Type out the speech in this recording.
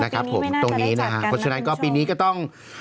ตรงนี้นะครับคือฉะนั้นก็ปีนี้ก็ต้อง